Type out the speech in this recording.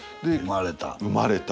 生まれた。